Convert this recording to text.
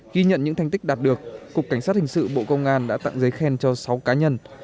ghi nhận những thành tích đạt được cục cảnh sát hình sự bộ công an đã tặng giấy khen cho sáu cá nhân